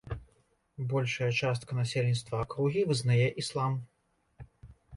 Большая частка насельніцтва акругі вызнае іслам.